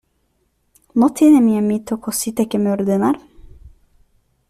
¿ no tiene mi amito cosita que me ordenar?